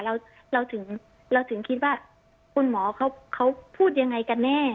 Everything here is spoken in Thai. เราถึงเราถึงคิดว่าคุณหมอเขาพูดยังไงกันแน่